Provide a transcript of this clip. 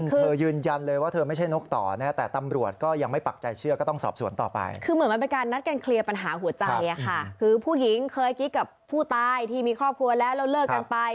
ผู้หญิงเคยคิดกับผู้ตายที่มีครอบครัวแล้วแล้วเลิกกันไป